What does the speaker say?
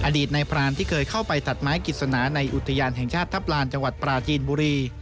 อดีตในพรานที่เคยเข้าไปตัดไม้กิจสนาในอุทยานแห่งชาติทัพลานจังหวัดปราจีนบุรี